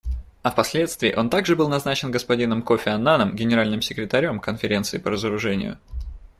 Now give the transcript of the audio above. А впоследствии он также был назначен господином Кофи Аннаном Генеральным секретарем Конференции по разоружению.